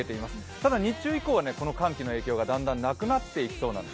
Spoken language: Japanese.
ただ、日中以降は寒気の影響がだんだんなくなっていきそうなんです。